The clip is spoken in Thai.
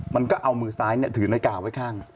มันก็เอามือซ้ายถือนาฬิกาไว้ข้าง